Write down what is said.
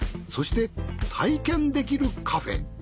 そして体験できるカフェ。